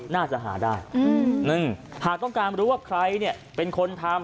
น่าจะหาได้หากต้องการรู้ว่าใครเนี่ยเป็นคนทำ